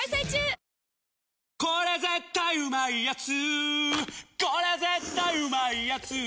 「日清これ絶対うまいやつ」